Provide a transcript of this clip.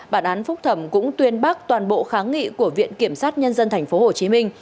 bản án phúc thẩm cũng tuyên bác toàn bộ kháng nghị của viện kiểm sát nhân dân tp hcm